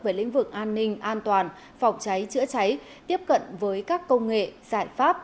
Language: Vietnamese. về lĩnh vực an ninh an toàn phòng cháy chữa cháy tiếp cận với các công nghệ giải pháp